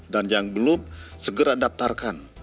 dan yang belum segera daftarkan